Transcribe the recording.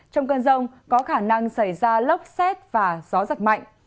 trong cơn rông có khả năng xảy ra lốc xét và gió giật mạnh